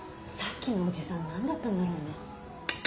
さっきのおじさん何だったんだろうね。